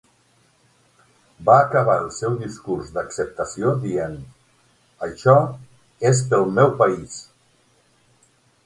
Va acabar el seu discurs d'acceptació dient: "Això és pel meu país".